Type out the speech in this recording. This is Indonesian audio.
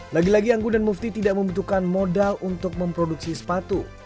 lagi lagi anggun dan mufti tidak membutuhkan modal untuk memproduksi sepatu